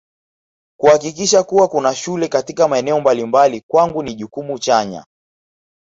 Kuhakikisha kuwa kuna shule katika maeneo mbalimbali kwangu ni jukumu chanya